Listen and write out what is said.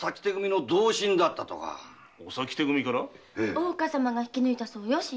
大岡様が引き抜いたそうよ。